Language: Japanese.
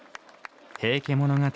平家物語